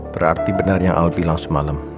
berarti benar yang al bilang semalam